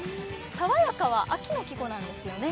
爽やかは秋の季語なんですよね。